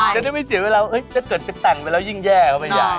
จะได้ไม่เสียเวลาถ้าเกิดไปแต่งไปแล้วยิ่งแย่ก็ไม่อยาก